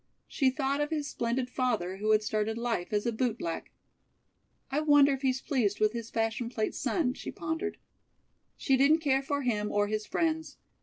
She thought of his splendid father, who had started life as a bootblack. "I wonder if he's pleased with his fashion plate son?" she pondered. She didn't care for him or his friends.